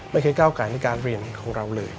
ไม่เคยก้าวอากาศในการเรียนของเราเลย